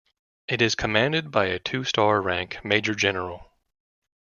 It is commanded by a two-star rank Major-General.